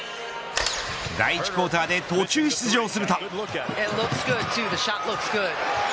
第１クオーターで途中出場すると。